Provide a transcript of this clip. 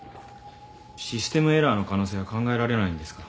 システムエラーの可能性は考えられないんですか？